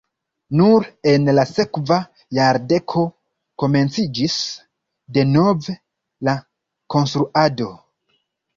Nur en la sekva jardeko komenciĝis denove la konstruado.